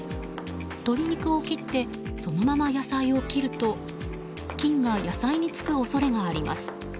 鶏肉を切ってそのまま野菜を切ると菌が野菜につく恐れがあります。